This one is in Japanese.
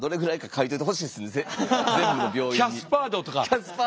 キャスパー度とか。